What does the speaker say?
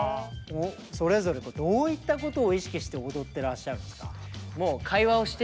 それぞれどういったことを意識して踊ってらっしゃるんですか？